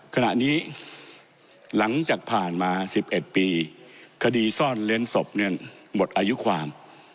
ขณะนี้หลังจากผ่านมา๑๑ปีคดีซ่อนเล้นศพเนี่ยหมดอายุความ